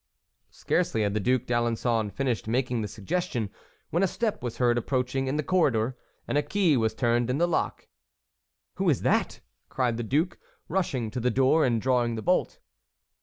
Scarcely had the Duc d'Alençon finished making the suggestion, when a step was heard approaching in the corridor, and a key was turned in the lock. "Who is that?" cried the duke, rushing to the door and drawing the bolt.